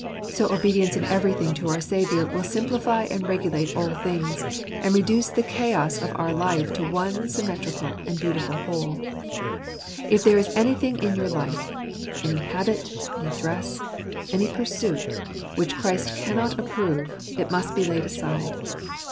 So obedience in everything to our Saviour will simplify and regulate all things, and reduce the chaos of our life to one symmetrical and beautiful whole. If there is anything in your life, any habit, any dress, any pursuit, which Christ cannot approve, it must be laid aside.